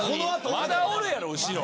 まだおるやろ後ろ。